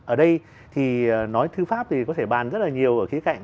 ở đây thì nói thư pháp thì có thể bàn rất là nhiều ở khía cạnh